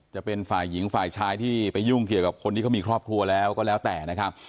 จะเป็นฝ่ายหญิงฝ่ายชายที่ไปยุ่งเกี่ยวกับคนที่เขามีครอบครัวแล้วก็แล้วแต่นะครับ